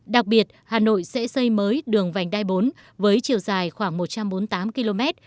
đặc biệt hà nội sẽ xây mới đường vành đai bốn với chiều dài khoảng một trăm bốn mươi tám km